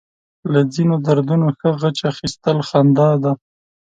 له ځينو دردونو ښه غچ اخيستل خندا ده.